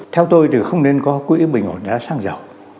theo tôi thì không nên có quỹ bình ổn giá xăng dầu